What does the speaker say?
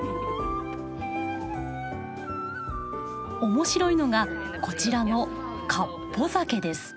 面白いのがこちらのかっぽ酒です。